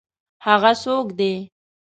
هغه څوک دی؟